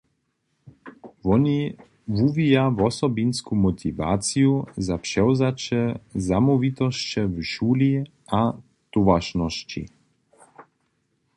Woni wuwija wosobinsku motiwaciju za přewzaće zamołwitosće w šuli a towaršnosći.